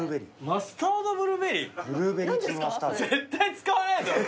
マスタードブルーベリー使わないだろ。